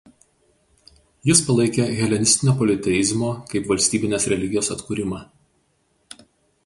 Jis palaikė helenistinio politeizmo kaip valstybinės religijos atkūrimą.